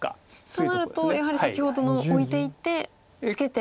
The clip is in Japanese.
となるとやはり先ほどのオイていてツケて。